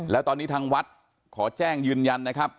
แล้วตอนนี้ทางวัดขอแจ้งยืนยันนะครับ